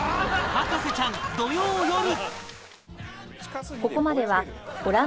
『博士ちゃん』土曜よる